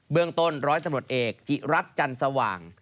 เบื้องต้นร้อยตำรวจเอกจิรัฐจันทร์สว่าง